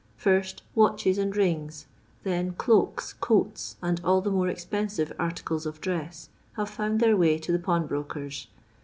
First, watches and rings, then cloaks, coaU, and all the more expensive articles of dress, have found their way to the pawnbroker's.